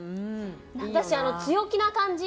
私強気な感じ。